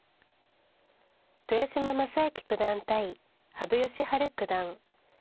豊島将之九段対羽生善治九段。